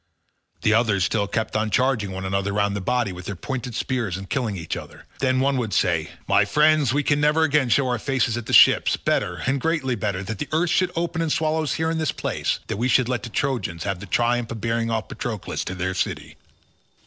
The others still kept on charging one another round the body with their pointed spears and killing each other. Then would one say, "My friends, we can never again show our faces at the ships—better, and greatly better, that earth should open and swallow us here in this place, than that we should let the Trojans have the triumph of bearing off Patroclus to their city."